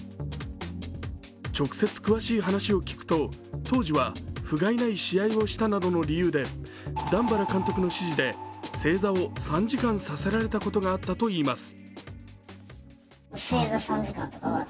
直接、詳しい話を聞くと当時はふがいない試合をしたなどの理由で段原監督の指示で正座を３時間させられたことがあったといいます。